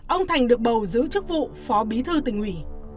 ông thành được bầu giữ chức vụ phó bí thư tỉnh ủy